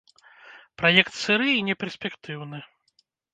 Праект сыры і неперспектыўны.